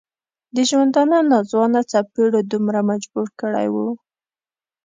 د ژوندانه ناځوانه څپېړو دومره مجبور کړی و.